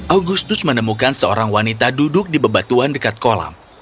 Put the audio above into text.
agustus menemukan seorang wanita duduk di bebatuan dekat kolam